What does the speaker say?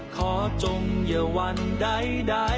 จงอย่าวันใด